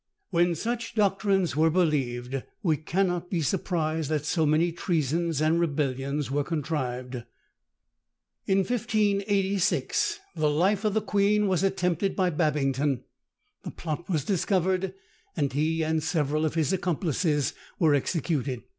When such doctrines were believed, we cannot be surprised that so many treasons and rebellions were contrived. In 1586 the life of the queen was attempted by Babington. The plot was discovered, and he and several of his accomplices were executed.